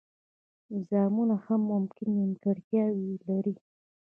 نظامونه هم ممکن نیمګړتیاوې ولري.